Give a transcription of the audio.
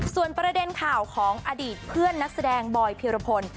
ส่วนประเด็นข่าวของอดีตเพื่อนนักแสดงบอยพิรพล